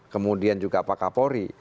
kemudian juga pak kapolri